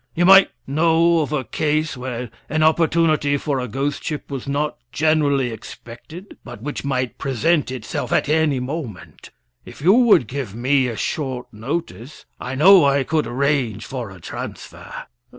You might know of a case where an opportunity for a ghost ship was not generally expected, but which might present itself at any moment. If you would give me a short notice, I know I could arrange for a transfer."